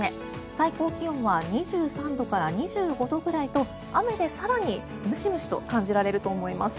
最高気温は２３度から２５度くらいと雨で更にムシムシと感じられると思います。